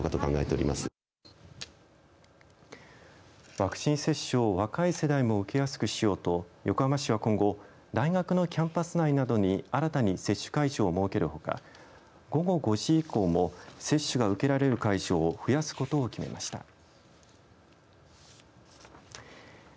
ワクチン接種を若い世代も受けやすくしようと横浜市は今後大学のキャンパス内などに新たに接種会場を設けるほか午後５時以降も接種が受けられる会場を増やすことを決めました。